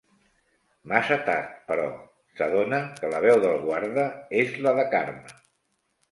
Massa tard, però, s'adona que la veu del guarda és la de Karma.